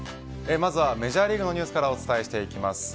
まずはメジャーリーグのニュースからお伝えしていきます。